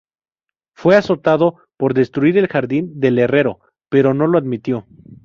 Fue azotado por destruir el jardín del herrero, pero no lo admitió.